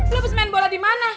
lo bes main bola dimana